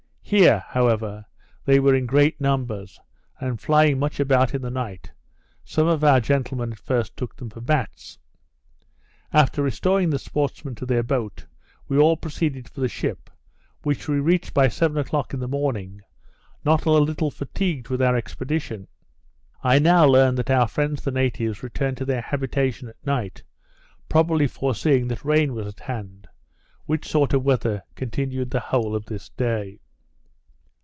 Here, however, they are in great numbers, and flying much about in the night, some of our gentlemen at first took them for bats. After restoring the sportsmen to their boat, we all proceeded for the ship, which we reached by seven o'clock in the morning, not a little fatigued with our expedition. I now learned that our friends the natives returned to their habitation at night; probably foreseeing that rain was at hand; which sort of weather continued the whole of this day.